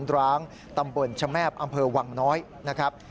ร้างตำบลชแมบอำเภอวังน้อยนะครับ